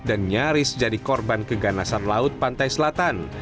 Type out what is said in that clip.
dan nyaris jadi korban keganasan laut pantai selatan